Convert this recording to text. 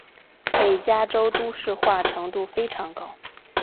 北加州都市化程度非常高。